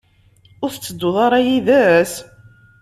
Ur tettedduḍ ara yid-s?